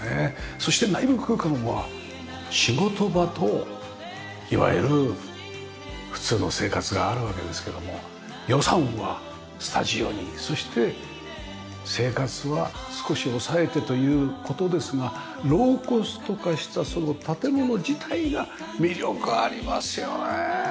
そして内部空間は仕事場といわゆる普通の生活があるわけですけども予算はスタジオにそして生活は少し抑えてという事ですがローコスト化したその建物自体が魅力ありますよね！